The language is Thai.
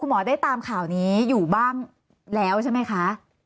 หมอได้ตามข่าวนี้อยู่บ้างแล้วใช่ไหมคะ